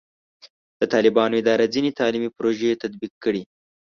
د طالبانو اداره ځینې تعلیمي پروژې تطبیق کړي.